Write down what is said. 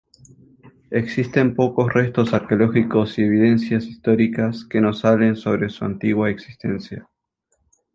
Existen pocos restos arqueológicos y evidencias históricas que nos hablen sobre su antigua existencia.